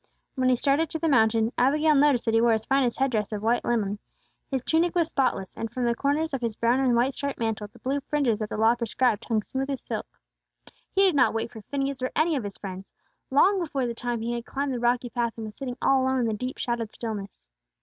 When he started to the mountain, Abigail noticed that he wore his finest headdress of white linen. His tunic was spotless, and, from the corners of his brown and white striped mantle, the blue fringes that the Law prescribed hung smooth as silk. He did not wait for Phineas or any of his friends. Long before the time, he had climbed the rocky path, and was sitting all alone in the deep shadowed stillness.